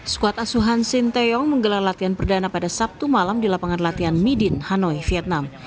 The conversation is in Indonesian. skuad asuhan sinteyong menggelar latihan perdana pada sabtu malam di lapangan latihan midin hanoi vietnam